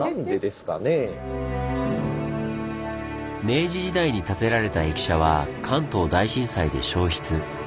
明治時代に建てられた駅舎は関東大震災で焼失。